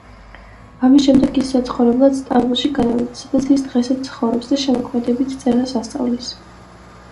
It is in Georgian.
ამის შემდეგ, ის საცხოვრებლად სტამბოლში გადავიდა, სადაც ის დღესაც ცხოვრობს და შემოქმედებით წერას ასწავლის.